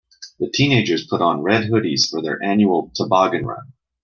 The teenagers put on red hoodies for their annual toboggan run.